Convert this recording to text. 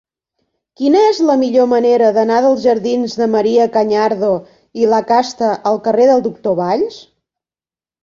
Quina és la millor manera d'anar dels jardins de Marià Cañardo i Lacasta al carrer del Doctor Valls?